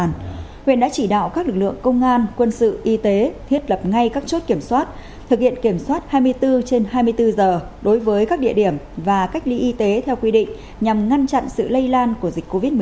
từ tám h ngày chín tháng bảy huyện đã chỉ đạo các lực lượng công an quân sự y tế thiết lập ngay các chốt kiểm soát thực hiện kiểm soát hai mươi bốn trên hai mươi bốn giờ đối với các địa điểm và cách ly y tế theo quy định nhằm ngăn chặn sự lây lan của dịch covid một mươi chín